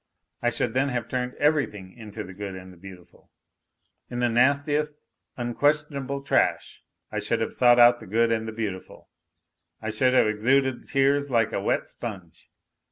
I should then have turned everything into the good and the beautiful; in the nastiest, unquestionable trash, I should have sought out the good and the beautiful. I should have exuded tears like a wet sponge.